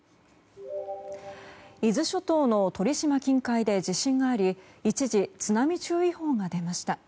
伊豆諸島の鳥島近海で地震があり一時、津波注意報が出ました。